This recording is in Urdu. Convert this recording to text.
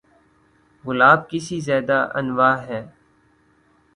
گلاب کی سے زیادہ انواع ہیں